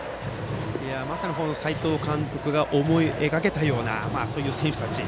まさに斎藤監督が思い描けたような選手たち。